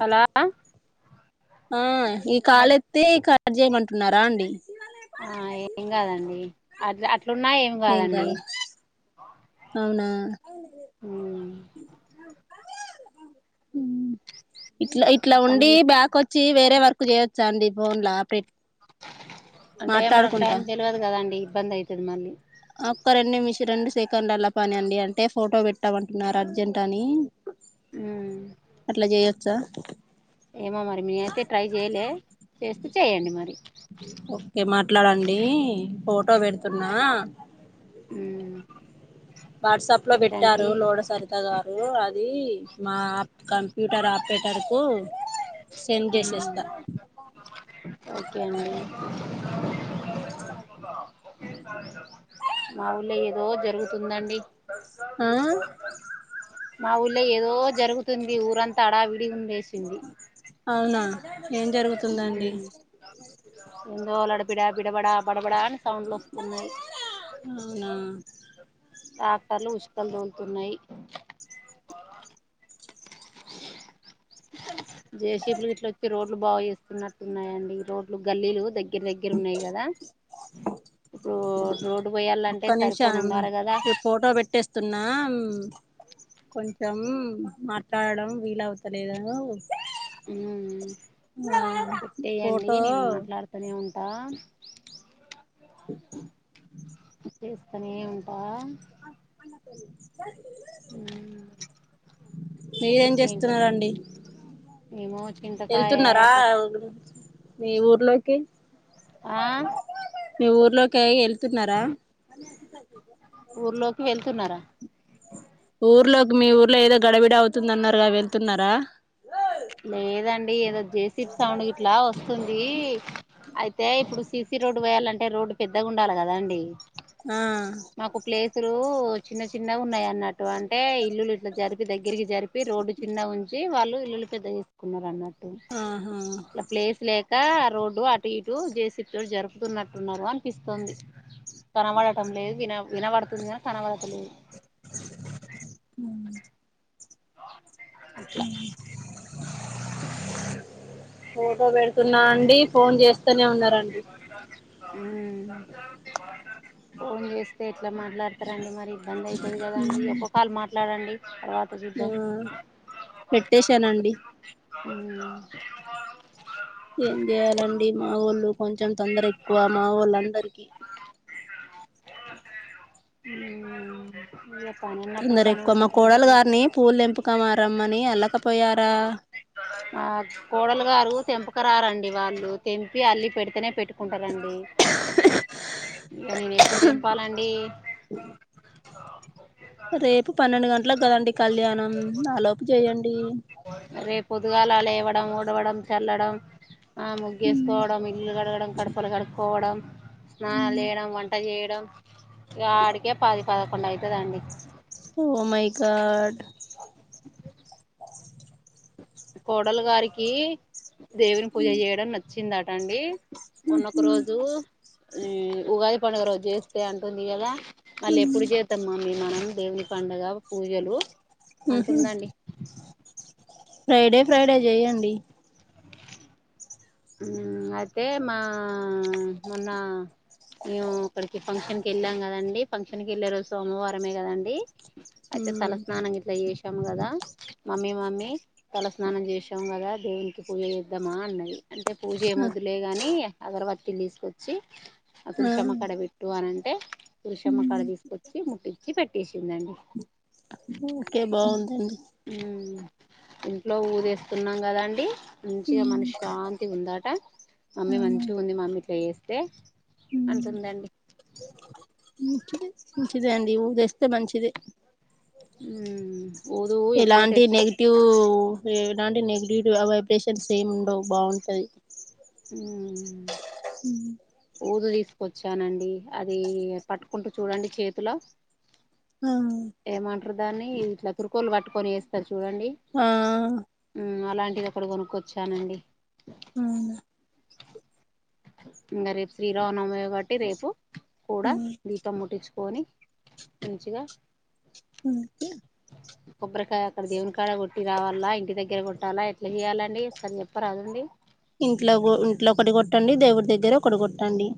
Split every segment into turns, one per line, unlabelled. Hello
ఆ ఈ కాలు ఎత్తి ఈ కట్ చేయమమంటున్నారా అండి
అ ఏం కాదండి అట్ అట్లున్నా ఏమ్
ఏం
కాదండి
కాదా అవునా మ్ ఇట్లా ఇట్లా ఉండి
చెప్పండి
బ్యాక్ వచ్ చ్చి వేరే వర్కు చేయొచ్చా అండి ఫోన్ లా
అంటే మనకు టైం తెలివదు కదండి ఇబ్బంది అయితది మళ్ళీ
ఒక్క రెండు నిమిష రెండు సెకండ్ అలా పని అండి అంటే ఫోటో పెట్టామంటున్నారు అర్జెంట్ అని అట్లా చేయొచ్చా
ఏమో మరి మీ అయితే ట్రై చేయలే చేస్తే చేయండి మరి
ఓకే మాట్లాడండి ఫోటో పెడుతున్నా
ఉమ్
వాట్సాప్ లో పెట్టారు లోడ సరిత గారు అది మాప్ కం ప్యూటర్ ఆప్రేటర్కు
మ్ ఓకే అండి మావుల్లె రోజ్ జరుగుతుందండి
ఆ
మా ఊళ్ళే ఏదో జరుగుతుంది ఊరంతా అడావిడి ఉండేసింది
అవునా ఏం జరుగుతుందండి
ఉఏందో లడత్ బిడ బిడబడా బడబడా అని సౌండ్లు వస్తున్నాయ్
అవునా
టాక్టర్లు ఉషకలు తోలుతున్నాయి
[inaudible]
జేసీబిలు ఇట్ల వచ్చి రోడ్లు బాగా చేస్తున్నట్టున్నాయండి రోడ్లు గల్లీలు దగ్గర దగ్గర దగ్గర ఉన్నాయి గదా
[inaudible] ఒక్క
పోయాలంటే
నిమిష
సరిపోని
అన్న
ఉండాలి కదా
ఫోటో పెట్టేస్తున్నా కొంచెం మాట్లాడడం వీలౌవతలేదు
మ్ పేట్టేయండి
ఫోటో
నేను మాట్లాడుతూనే ఉ టా చేస్తనే ఉంటా ఉమ్
[inaudible] మీరేం
ఇంకేంటి
చేస్తున్నారండి
మేము చింతకాయ
ఎళ్తున్నారా మీ ఊర్లోకి
ఆ
మీ ఊర్లోకి ఎళ్తున్నారా
ఊర్లోకి వెళ్తున్నారా
ఊర్లోకి మీ ఊర్లో ఏదో గడబిడ అవుతుందన్నారుగా వెళ్తున్నారా
లేదండి ఏదో జేసిపీ సౌండ్ ఇట్లా వస్తుంది ఇది అయితే ఇప్పుడు సిసి రోడ్డు పోయాలంటే రోడ్డు పెద్దగా ఉండాలి గదా అండి
ఆ
మాకు ప్లేసులు చిన్న చిన్న ఉన్నాయి అన్నట్టు అంటే ఇల్లులు ఇట్లా జరిపి దగ్గరికి జరిపి రోడ్డు చిన్న ఉంచి వాళ్ళు ఇల్లులు పెద్ద చేసుకున్నారు అన్నాటు
ఆహా
ఇలా ప్లేస్ లే కా ఆ రోడ్డు అటు ఇటు జేసిపి తో జరుపుతున్నట్టున్నారు అనిపిస్తుంది కనవడటం లేదు విన వినబడుతుంది కని కనవడటలేదు
అ
అట్లా
ఫోటో పెడుతున్నా అండి ఫోన్ చేస్తూనే ఉన్నారండి
పోన్ చేస్తే ఎట్లా మాట్లాడతారండి మరి ఇబ్బంది అయితాది కదాండి ఇ ఒక్క కాలు మాట్లాడండి తర్వాత
ఆ
చూద్దాం
పెట్టేశానండి
అ
ఏం చేయాలండి మాఓళ్ళు కొంచెం తొందర ఎక్కువ మా ఓళ్ళ అందరికి
ఉమ్ ఇగ పని ఉన్నప్పుడు
తొందర
పని
ఎక్కువ మా
ఉంటనే
కోడలు
ఉంటది
గారిని పూలు తెంపక మారమ్మని అల్లకపోయారా
ఆ కోడలు గారు తెంపక రారండి వాళ్ళు తెంపి అల్లి పెడితేనే పెట్టుకు కుంటరండి ఇంకా నేను ఎప్పుడు తెంపాలండి
రేపు పన్నెండు గంటలకు కదండి కళ్యాణం ఆలోపు చేయండి
రేప్ పొద్దుగాలా లేవడం ఉడవడం చల్లడం ఆ ముగ్గేసుకోవడం ఇల్లు కడగడం కడపలు కడుక్కోవడం స్నానాలు చేయడం వంట చేయడం ఇగ ఆడికే పది పదకొండు అయితదండి
ఓ మై గార్డ్
కోడలు గారికి దేవుని పూజ చేయడం నచ్చిందట అండి మొన్నొక రోజు ఉగాది పండుగ రోజు చేస్తే అంటుంది కద మళ్ళీ ఎప్పుడు చేద్దాం మమ్మీ మనం దేవుని పండుగ పూజలు
ఉహు
అంటుందండి
ఫ్రైడే ఫ్రైడే చేయండి
అయితే మా మొన్న మేము అక్కడికి ఫంక్షన్ కి వెళ్ళాం కదండి ఫంక్షన్ కి వెళ్ళే రోజు సోమవారమే కదండి
ఉ
అయితే తలస్నానం గిట్ల చేసాము కదా మమ్మీ మమ్మీ తలస్నానం చేశాం కదా దేవునికి పూజ చేద్దామా అన్నది అంటే పూజ ఏ మొద్దులే గాని అగరబత్తిలు తీసుకొచ్చి ఆ తులసమ్మక్కడ పెట్టు అన్న అంటే తులసమ్మకాడికి తీసుకొచ్చి ముట్టించి పెట్టేసిందండి
ఇంకే బాగుందండి
ఉమ్ ఇంట్లో ఊదేస్తున్నాం కదండి
ఉ
మంచిగా మనశ్శాంతిగ ఉందట మమ్మీ
అవును
మంచిగ ఉంది మమ్మీ ఇట్ల చేస్తే అంటుందండి
ముంచి ముంచిదే అండి ఊదేస్తే మంచిది
ఉమ్ ఊదు ఎప్పుడో
ఎలాంటి
తెచ్చి
నెగటివ్ ఎలాంటి నెగిటివ్ వైబ్రేషన్స్ ఏమి ఉండవు బాగుంటది
ఉ
హ
ఊదు తీసుకొచ్చానండి అది పట్టుకుంటూ చూడండి చేతిలో ఏమంటరు దాన్ని ఇట్లా తురుకొల్లు పట్టుకొని ఎస్తరు చూడండి
ఆ
ఉ అలాంటి ఇదొక్కటి కొనుక్కొచ్చానండి
అవును
ఇంకా రేపు శ్రీరామనవమి కాట్టి రేపు కూడా దీపం ముట్టించు కోని మంచిగా
ఉక
కొబ్బరికాయ అక్కడ దేవునికాడ కొట్టి రావాలా ఇంటి దగ్గర కొట్టాలా ఎట్లా చెయ్యాలండి ఓసారి చెప్పరాదండి
ఇంట్లో ఇంట్లో ఒకటి కొట్టండి దేవుడి దగ్గర ఒకటి కొట్టండి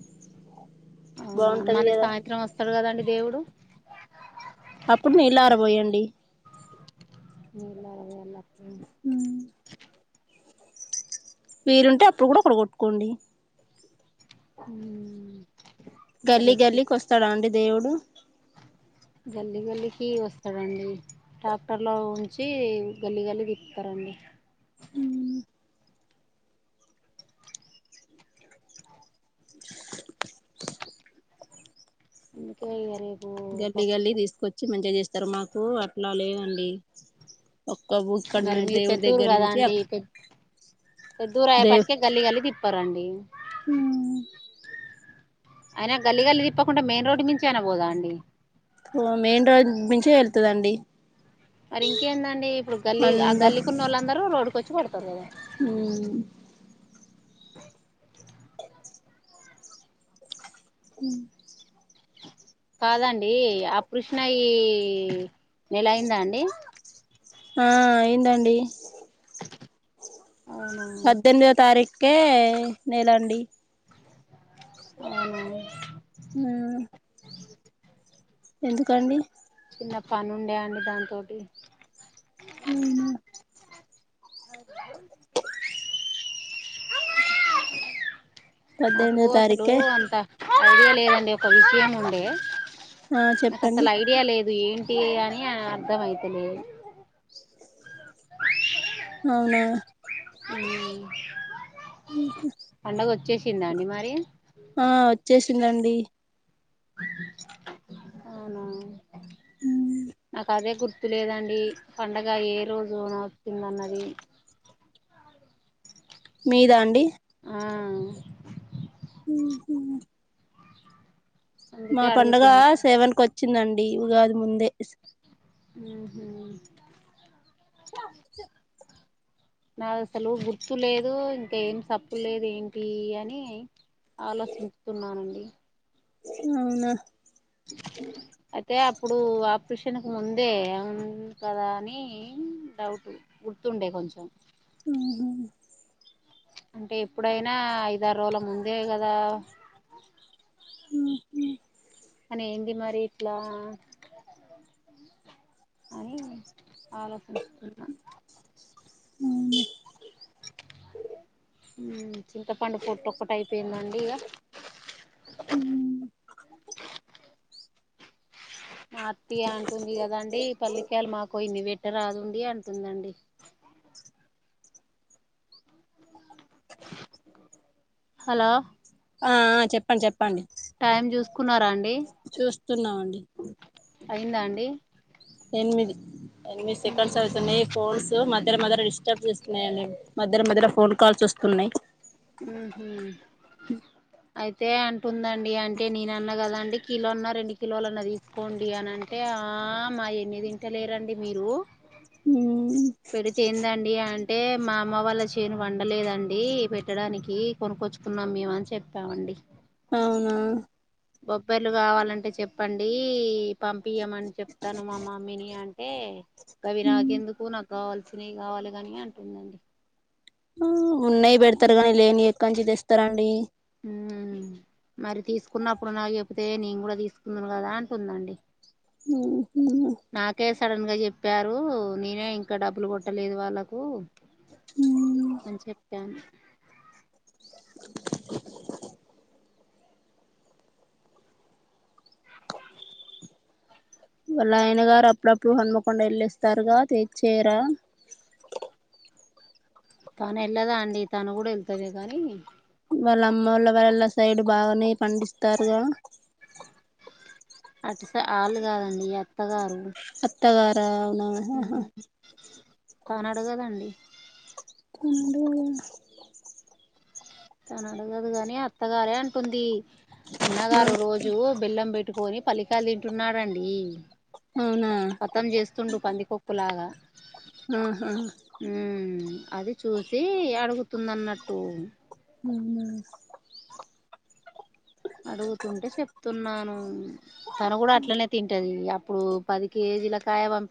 అవునా
బాగుంటది
మళ్ళ
కదా
సాయంత్రం వస్తడు కదండి దేవుడు
అప్పుడు నీల్లరబోయండి
నలా ఆడపోయాల
ఉమ్ వీలుంటే అప్పుడు కూడ ఒకటి కొట్టుకోండి
హ
గల్లీ గల్లికి వస్తాడా అండి దేవుడు
గల్లి గల్లికి వస్తాడండి ట్రాక్టర్లో ఉంచి గల్లి గల్లికి తిప్తారండి అందుకే ఇగ రేపు
గల్లీ గల్లి
పప్పు
తీసుకొచ్చి మంచిగా చేస్తారు మాకు అట్లా లేవండి ఒక్క
మరి
ఇక్కడ
మీరు
దేవుడి దగ్గర నుంచి అక్క
కొద్దుూర అయ్యేప్పటికే గల్లీ గల్లీ తిప్పారంండి
అ
అయినా గల్లి గల్లి తిప్పకుండా మెయిన్ రోడ్డు మించ అన పోదా అండి
మెయిన్ రోడ్ నుంచే వెళ్తుదండి
మరి ఇంకేందండి ఇప్పుడు గల్లీ ఆ గల్లి ఉన్న వాళ్ళ అందరు రోడ్కి వచ్చిడతారు కదా
అ
కాదండి ఆ పృష్ణ ఈ నల అయిందా అండి
ఆ అయిందండి
అవునా
పద్దెనిమిదో తారీఖే నేల అండి
అవున
ఆ ఎందుకండి
నిన్న పని ఉండే అండి దానితోటి
అవునా
అవు నాకు
పద్దెనిమిదో
అసలు
తారీఖే
అంత ఐడియా లేదండి ఒక విషయం నుండే
ఆ చెప్పండి
అ ఏంటి అని అర్థం అయితలేదు
అవునా
మ్మ్ పండగ వచ్చేసిందా అండి మరి
ఆ వచ్చేసిందండి
అవునా నాకు అదే గుర్తు లేదండి పండగ ఏ రోజు నస్తుంద అన్నది
మీదా అండి
ఆ
హ మా
అందుకే
పడుగ
అడుగుతున్నా
సేవన్కి వచ్చిందండి ఉగాది ముందే
ఆఓహా నాకు అసలు గుర్తు లేదు ఇంకా ఏం సప్పు లేదు ఏంటి అని ఆలోచించుతున్నానండి
అవునా
అయితే ఇప్పుడు ఆపరేషన్కి ముందే ఉంది కదా అని డౌట్ గుర్తుండే కొ కొంచం
ఆహ
అంటే ఎప్పుడైనా ఐదారు రోజుల ముందే కదా
హు హు
అని ఏంది మరి ఇట్లా అనీ ఆలోచించుకున్నా
ఊహ్
ఊమ్ చింతపండు పొట్టు ఒక్కటి అయిపోయిందండి ఇగ
ఊ
మా అత్తియ అంటుంది గద అండి, పల్లికాయలు మాకూ ఇన్ని వెట్టరాదుండి అంటుందండి. హలో
ఆ చెప్పన్ చెప్పండి
టైం చూసుకున్నారా అండి
చూస్తున్నా అండి
అయిందా అండి
ఎన్మిది ఎన్మి సెకండ్స్ అవుతున్నయ్ ఫోన్స్ మద్ ధర మధర డిస్టర్బ్ చేస్తున్నాయండి మధ్ధర మధర ఫోన్ కాల్స్ ఒస్తున్నయ్
ఊహూ అయితే అన్ టుందండి అంటే నేనన్న గదా అండి కీలోన్నర్ రెండు కిలోలన్న తీసుకోండి అని అంటే, ఆ మాయ్ ఎన్నిదింటలేరండి మీరూ.
మ్
పెడితే ఎందండి అన్ ఏ మా అమ్మ వాళ్ళ చేను వండలేదండీ పెట్టడానికీ, కొనుక్కొచ్చుకున్నాం మేము అని చెప్పామండి.
అవునా
బొబ్బర్లు గావాలంటే చెప్పండీ, పంపియమని చెప్తాను మా మమ్మీని అంటే. గవి నాకెందుకు నాకు కావాల్సినవి కావాలె గానీ అంటుందండి
ఊ ఉన్నాయి పెడతారు గానీ లేని ఎక్క నుంచి తెస్తరండి
ఊమ్ మరి తీసుకున్నప్పుడు నాకు చెపితే, నేను గూడా తీసుకుందును ఖదా అంటుందండి.
ఊహు
సడన్గ చెప్పారూ, నేనే ఇంకా డబ్బులు కొట్టలేదు వాళ్ళకూ. అని చెప్పాను
వాళ్ళ ఆయన గారు అప్పుడప్పుడు హన్మకొండ ఎళ్ళొస్తారుగా తెచ్చేయరా.
తను ఎళ్ళదా అండి, తను గూడా ఎళ్తది గానీ.
వాళ్ళ అమ్మోళ్ళ వాళ్ళ సైడ్ బాగానే పండిస్తారుగా.
అటు స ఆలు గాదండీ అత్తగారు
అత్తగారా అవునా ఆహా
కాని అడుగదండి
కుండూ
తనడగదు గాని అత్తగారే అంటుంది అన్నగారు రోజూ బెల్లం పెట్టుకొని పల్లికాయల్ తింటున్నారండీ
అవునా
కతం చేస్తుండు పందికొక్కు లాగా
ఆహా
ఊ అది చూసీ అడుగు తుందన్నట్టూ
ఊ
అడుగుతుంటే చెప్తున్నానూ, తను కూడా అట్లనే తింటదీ అప్పుడు పది కే. జిల కాయ వంపి